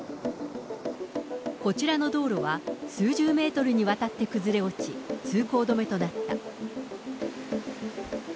こちらの道路は、数十メートルにわたって崩れ落ち、通行止めとなった。